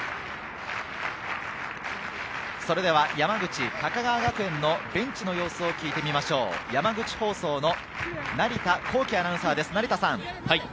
それでは山口・高川学園のベンチの様子を聞いてみましょう、山口放送の成田弘毅アナウンサーです。